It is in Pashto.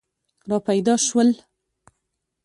را پیدا شول.